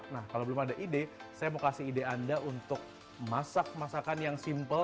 nah kalau belum ada ide saya mau kasih ide anda untuk masak masakan yang simple